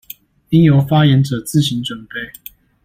應由發言者自行準備